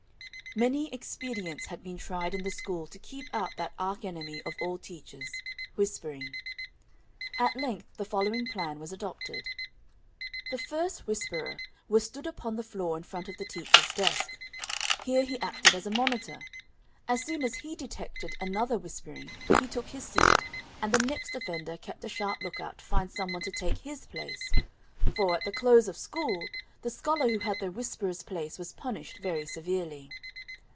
Many expedients had been tried in the school to keep out that arch enemy of all teachers whispering. At length the following plan was adopted: The first whisperer was stood upon the floor in front of the teacher's desk. Here he acted as a monitor; as soon as he detected another whispering, he took his seat, and the next offender kept a sharp lookout to find some one to take his place; for, at the close of school, the scholar who had the whisperer's place was punished very severely.